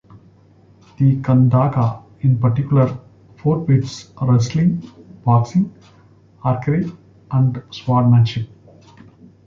The Khandhaka in particular forbids wrestling, boxing, archery, and swordsmanship.